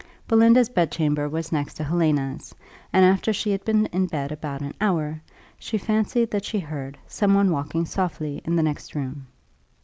Belinda's bedchamber was next to Helena's; and after she had been in bed about an hour, she fancied that she heard some one walking softly in the next room.